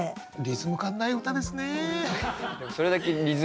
リズム感ない歌ですね。